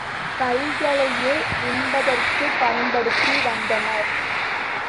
கைகளையே உண்பதற்குப் பயன்படுத்தி வந்தனர்.